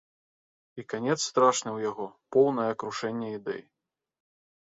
І канец страшны ў яго, поўнае крушэнне ідэй.